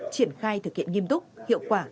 triển khai thực hiện nghiêm túc hiệu quả